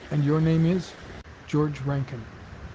"And your name is " "George Rankin."